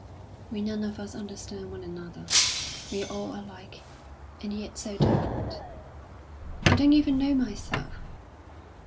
"We none of us understand one another. We're all alike, and yet so different. I don't even know myself.